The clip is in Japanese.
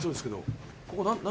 ここ何？